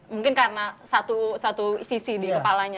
mungkin karena satu visi di kepala kita